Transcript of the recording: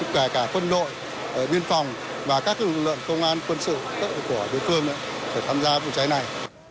kể cả quân đội biên phòng và các lực lượng công an quân sự của đối phương để tham gia vụ cháy này